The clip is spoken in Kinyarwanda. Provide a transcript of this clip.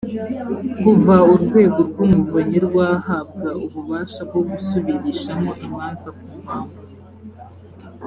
kuva urwego rw umuvunyi rwahabwa ububasha bwo gusubirishamo imanza ku mpamvu